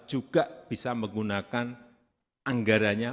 juga bisa menggunakan anggaranya